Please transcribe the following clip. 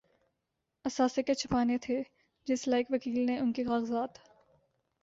اثاثے کیا چھپانے تھے‘ جس لائق وکیل نے ان کے کاغذات